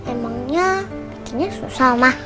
emangnya bikinnya susah mah